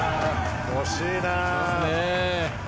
惜しいな。